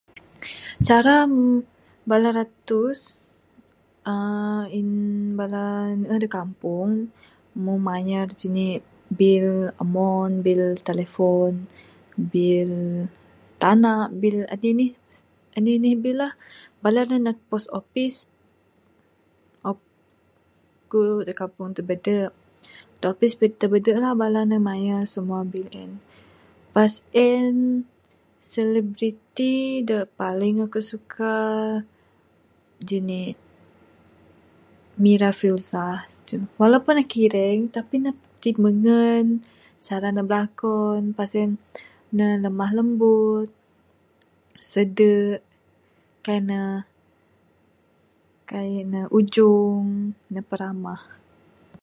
Cara...,[uhh] bala ratus...[uhh] uhh bala ne nuuh de kampung, mung mayar jinik bil umon, bil telefon, bil..tanak, bil enih-nih, enih-nih bil lah, bala ne deg post opis, uhh eku de kampung tebedu, opis de tebedu lah bala ne mayar simua bil en. Pas en, celebriti dek paling ku suka.., jinik, Mira Filzah, walaupun ne kireng tapi ne timengen, cara ne bilakon, pas sien, ne lemah lembut.., sedek.., kaik ne..kaik ne ujong.., ne peramah.